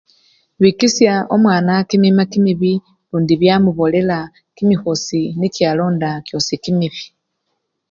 Bikesya omwana kimima kimibi lundi byamubolela kimikhosi nikyo alonda kyosi kimibi.